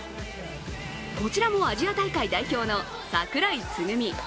こちらもアジア大会代表の櫻井つぐみ。